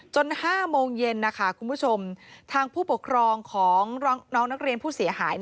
๕โมงเย็นคุณผู้ชมทางผู้ปกครองของน้องนักเรียนผู้เสียหาย